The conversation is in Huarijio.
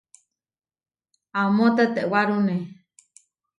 Amó tetewárune.